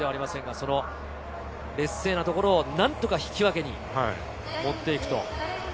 劣勢なところを何とか引き分けに持っていく。